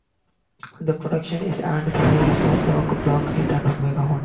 The production is handled by Aesop Rock, Blockhead, and Omega One.